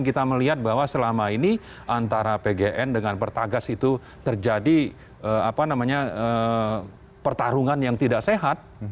kita melihat bahwa selama ini antara pgn dengan pertagas itu terjadi pertarungan yang tidak sehat